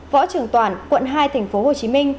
võ trưởng toàn quận hai tp hcm